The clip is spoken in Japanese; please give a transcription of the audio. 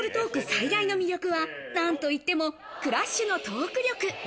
最大の魅力は、何と言っても、クラッシュのトーク力。